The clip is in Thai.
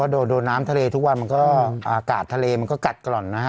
โดนน้ำทะเลทุกวันมันก็อากาศทะเลมันก็กัดกร่อนนะฮะ